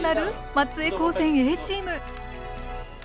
松江高専Ａチーム。